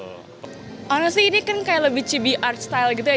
honestly ini kan lebih chibi art style gitu ya